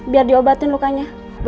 perasaanku gak enak